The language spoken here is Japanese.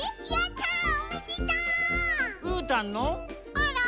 あら？